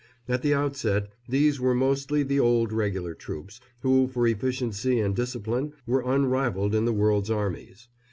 At the outset these were mostly the old Regular troops who for efficiency and discipline were unrivalled in the world's armies.